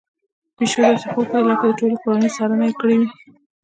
پيشو داسې خوب کوي لکه د ټولې کورنۍ څارنه يې کړې وي.